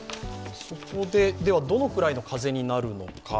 ではどれくらいの風になるのか。